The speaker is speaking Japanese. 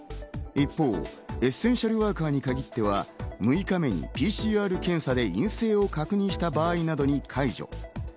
一方、エッセンシャルワーカーに限っては、６日目にＰＣＲ検査で陰性を確認した場合などに解除。